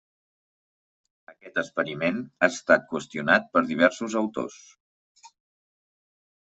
Aquest experiment ha estat qüestionat per diversos autors.